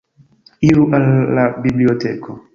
Iru al la biblioteko.